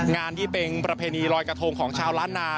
งานที่เป็นประเพณีลอยกระทงของชาวล้านนา